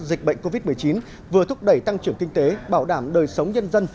dịch bệnh covid một mươi chín vừa thúc đẩy tăng trưởng kinh tế bảo đảm đời sống nhân dân